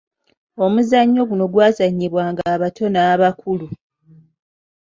Omuzannyo guno gwazannyibwanga abato n’abakulu.